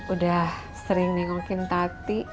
udah sering nengokin tati